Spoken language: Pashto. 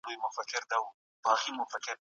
که ليکوال بې انصافه وي نو تاريخ بې ارزښته دی.